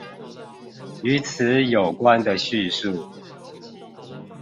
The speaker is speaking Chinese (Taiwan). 與此有關的敘述